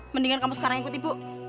mendingan kamu sekarang ikuti bu